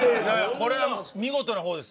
これは見事な方です。